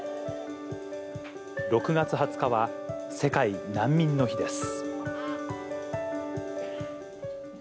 ６月２０日は世界難民の日です。